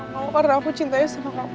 karena aku cintanya sama kamu